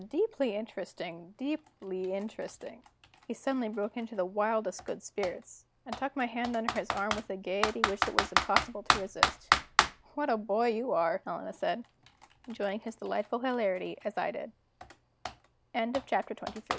Deeply interesting! deeply interesting!" He suddenly broke into the wildest good spirits, and tucked my hand under his arm with a gayety which it was impossible to resist. "What a boy you are!" Helena said, enjoying his delightful hilarity as I did. CHAPTER XXIV.